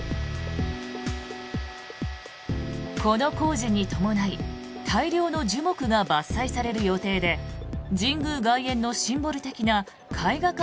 この工事に伴い大量の樹木が伐採される予定で神宮外苑のシンボル的な絵画館